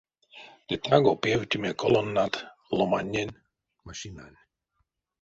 Ды таго певтеме колоннат: ломанень, машинань.